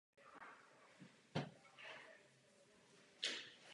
Zde zkomponoval symfonii a několik instrumentálních skladeb pro místní společenské koncerty.